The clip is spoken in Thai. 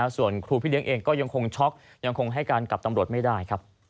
ส่วนครูพี่เลี้ยงเองก็ยังคงช็อกยังคงให้การกับตำรวจไม่ได้ครับ